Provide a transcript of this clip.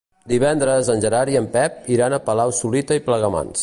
Divendres en Gerard i en Pep iran a Palau-solità i Plegamans.